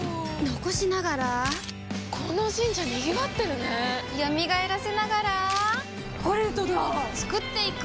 残しながらこの神社賑わってるね蘇らせながらコレドだ創っていく！